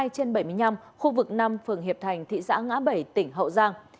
hai trên bảy mươi năm khu vực năm phường hiệp thành thị xã ngã bảy tỉnh hậu giang